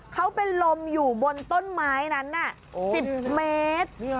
เขาเป็นลมอยู่บนต้นไม้นั้น๑๐เมตร